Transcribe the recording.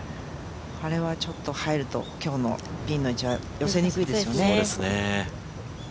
あれはちょっと入ると今日のピンの位置は寄せにくいですもんね。